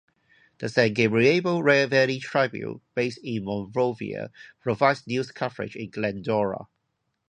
The San Gabriel Valley Tribune, based in Monrovia, provides news coverage in Glendora.